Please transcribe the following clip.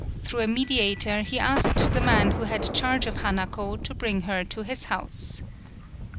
Through a mediator he asked the man who had charge of Hanako to bring her to his house.